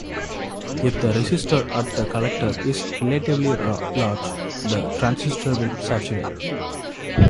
If the resistor at the collector is relatively large, the transistor will saturate.